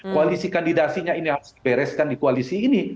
koalisi kandidasinya ini harus dibereskan di koalisi ini